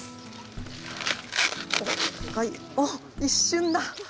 おっ一瞬だ。